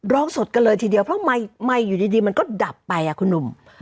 อกสดกันเลยทีเดียวเพราะไมค์อยู่ดีมันก็ดับไปคุณหนุ่ม